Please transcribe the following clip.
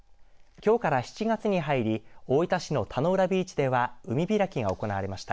きょうから７月に入り大分市の田ノ浦ビーチでは海開きが行われました。